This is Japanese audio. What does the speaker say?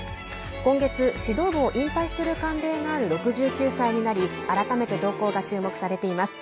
今月、指導部を引退する慣例がある６９歳になり改めて、動向が注目されています。